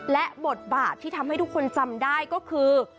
และบทบาทที่ทำให้ทุกคนจำได้ก็คือ